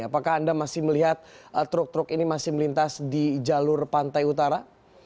apakah anda masih melihat truk truk ini masih melintas di jalur pantai utara